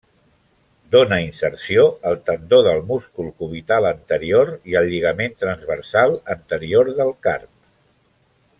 Dóna inserció al tendó del múscul cubital anterior i al lligament transversal anterior del carp.